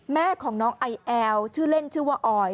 แม่ของน้องไอแอลชื่อเล่นชื่อว่าออย